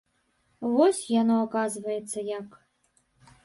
Вось яно, аказваецца, як!